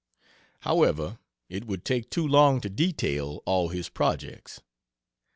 However, it would take too long to detail all his projects.